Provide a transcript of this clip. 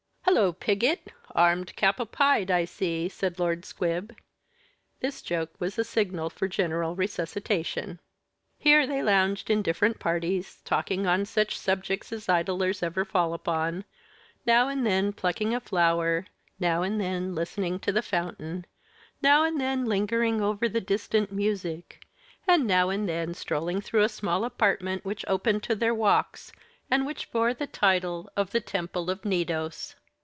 "Halloo! Piggott, armed cap au pied, I see," said Lord Squib. This joke was a signal for general resuscitation.... Here they lounged in different parties, 'talking on such subjects as idlers ever fall upon; now and then plucking a flower now and then listening to the fountain now and then lingering over the distant music and now and then strolling through a small apartment which opened to their walks, and which bore the title of the Temple of Gnidus.